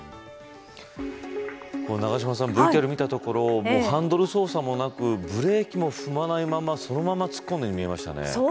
永島さんＶＴＲを見たところハンドル操作もなくブレーキも踏まないままそのまま突っ込んでいくように見えましたね。